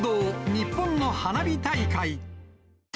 日本の花火大会。